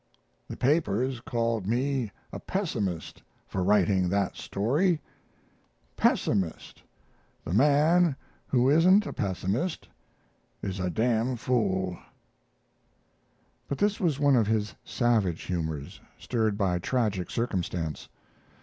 "The papers called me a pessimist for writing that story. Pessimist the man who isn't a pessimist is a d d fool." But this was one of his savage humors, stirred by tragic circumstance.